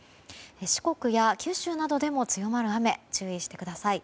四国や九州などでも強まる雨に注意してください。